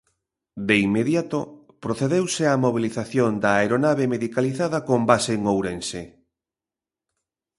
De inmediato, procedeuse á mobilización da aeronave medicalizada con base en Ourense.